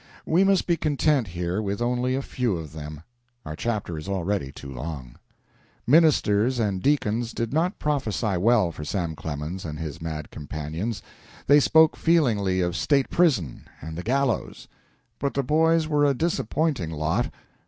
We must be content here with only a few of them. Our chapter is already too long. Ministers and deacons did not prophesy well for Sam Clemens and his mad companions. They spoke feelingly of state prison and the gallows. But the boys were a disappointing lot.